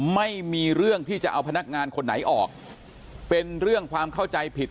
ไม่มีเรื่องที่จะเอาพนักงานคนไหนออกเป็นเรื่องความเข้าใจผิด